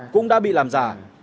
cũng đã bị làm giả